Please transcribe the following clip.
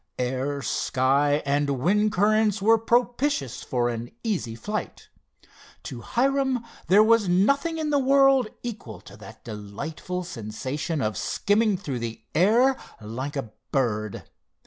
Air, sky and wind currents were propitious for an easy flight. To Hiram there was nothing in the world equal to that delightful sensation of skimming through the air like a bird.